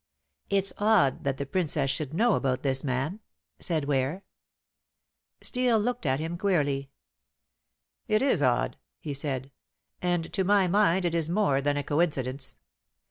"It's odd that the Princess should know about this man," said Ware. Steel looked at him queerly. "It is odd," he said; "and to my mind it is more than a coincidence.